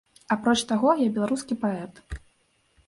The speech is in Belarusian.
Апроч таго, я беларускі паэт.